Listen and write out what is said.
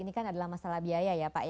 ini kan adalah masalah biaya ya pak ya